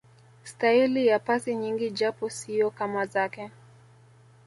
staili ya pasi nyingi japo siyo kama zake